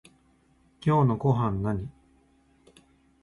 今日のごはんなに？